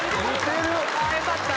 よかった。